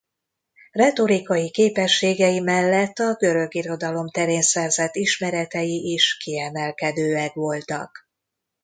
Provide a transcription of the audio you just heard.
Retorikai képességei mellett a görög irodalom terén szerzett ismeretei is kiemelkedőek voltak.